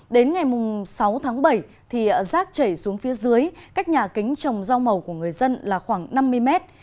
đến ngày sáu tháng bảy rác chảy xuống phía dưới cách nhà kính trồng rau màu của người dân là khoảng năm mươi mét